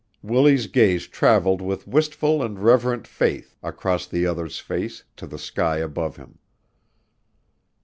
Willie's gaze traveled with wistful and reverent faith across the other's face to the sky above him.